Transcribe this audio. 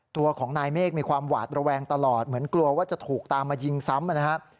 ตัวของนายเมฆมีความหวาดระแวงตลอดเหมือนกลัวว่าจะถูกตามมายิงซ้ำนะครับ